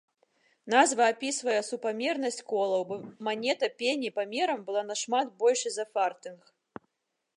Назва апісвае супамернасць колаў, бо манета пені памерам была нашмат большай за фартынг.